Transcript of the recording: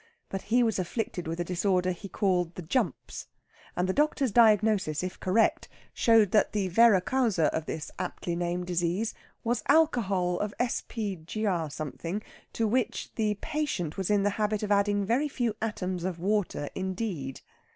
But he was afflicted with a disorder he called the "jumps," and the doctor's diagnosis, if correct, showed that the vera causa of this aptly named disease was alcohol of sp. gr. something, to which the patient was in the habit of adding very few atoms of water indeed.